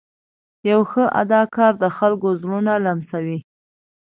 یو ښه اداکار د خلکو زړونه لمسوي.